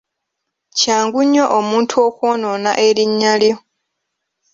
Kyangu nnyo omuntu okwonoona erinnya lyo.